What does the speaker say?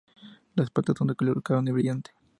Las patas son de color carne brillante.